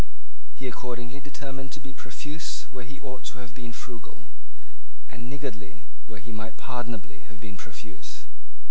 He accordingly determined to be profuse where he ought to have been frugal, and niggardly where he might pardonably have been profuse.